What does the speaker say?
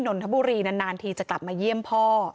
นานทีจะกลับมาเยี่ยมพ่อ